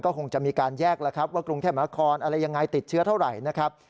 ก็คงจะมีการแยกว่ากรุงเทพมหาคลอะไรยังไงติดเชื้อเท่าไหร่